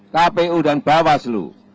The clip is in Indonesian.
kpu dan bawaslu